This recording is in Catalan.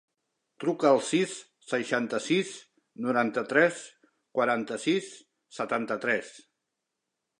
Truca al sis, seixanta-sis, noranta-tres, quaranta-sis, setanta-tres.